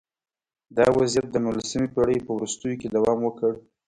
دا وضعیت د نولسمې پېړۍ په وروستیو کې دوام وکړ